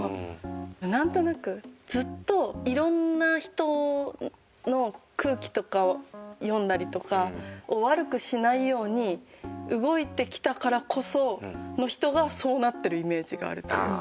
なんとなくずっといろんな人の空気とかを読んだりとか悪くしないように動いてきたからこその人がそうなってるイメージがあるというか。